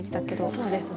そうですね。